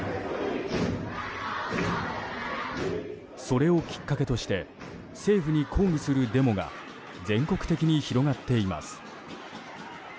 それをきっかけとして政府に抗議するデモが全国的に広がっています。